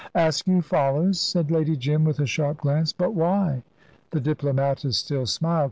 "Askew follows?" said Lady Jim, with a sharp glance; "but why ?" The diplomatist still smiled.